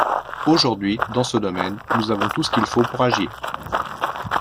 Aujourd’hui, dans ce domaine, nous avons tout ce qu’il faut pour agir.